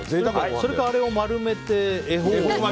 それかあれを丸めて恵方。